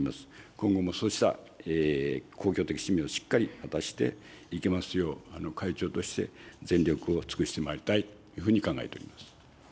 今後もそうした公共的使命をしっかり果たしていけますよう、会長として全力を尽くしてまいりたいというふうに考えております。